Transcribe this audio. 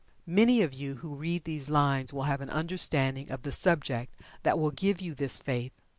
Many of you who read these lines will have an understanding of the subject that will give you this faith.